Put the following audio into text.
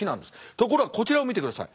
ところがこちらを見てください。